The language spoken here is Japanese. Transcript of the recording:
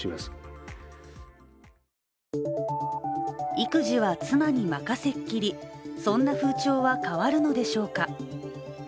育児は妻に任せっきり、そんな風潮は変わるのでしょうか。